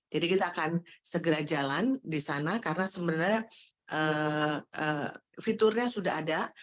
jadi kita akan segera jalan di sana karena sebenarnya fiturnya sudah ada